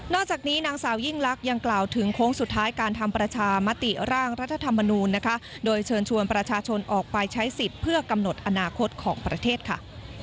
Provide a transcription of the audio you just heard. จากนี้นางสาวยิ่งลักษณ์ยังกล่าวถึงโค้งสุดท้ายการทำประชามติร่างรัฐธรรมนูญนะคะโดยเชิญชวนประชาชนออกไปใช้สิทธิ์เพื่อกำหนดอนาคตของประเทศค่ะ